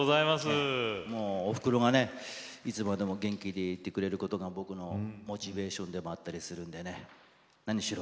おふくろがいつまでも元気でいてくれることが、僕のモチベーションでもあるので何しろ